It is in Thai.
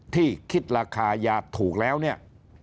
ที่คิดราคายาถูกแล้วเนี่ย